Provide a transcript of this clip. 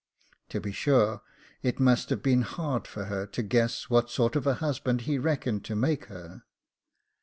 To be sure it must have been hard for her to guess what sort of a husband he reckoned to make her.